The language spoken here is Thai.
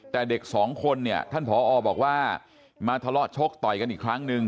แต่เด็กสองคนเนี่ยท่านผอบอกว่ามาทะเลาะชกต่อยกันอีกครั้งนึง